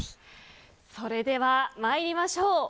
それでは、参りましょう。